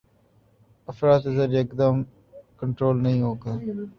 افراط زر ایکدم کنٹرول نہیں ہوگا۔